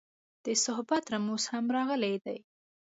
د صحبت رموز هم راغلي دي.